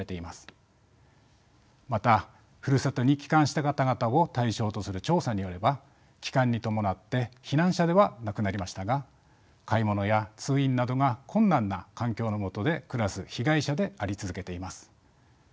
またふるさとに帰還した方々を対象とする調査によれば帰還に伴って避難者ではなくなりましたが買い物や通院などが困難な環境のもとで暮らす被害者であり続けています。